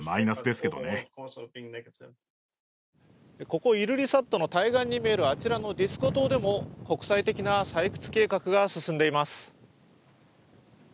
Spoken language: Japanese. ここイルリサットの対岸に見えるあちらのディスコ島でも国際的な採掘計画が進んでいます。